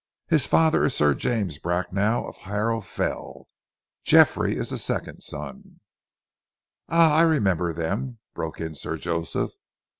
"His father is Sir James Bracknell of Harrow Fell. Geoffrey is the second son." "Ah! I remember them," broke in Sir Joseph.